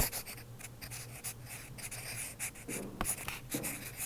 په غم کې یې سر په ډاګ وواهه.